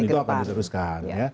dan itu akan diteruskan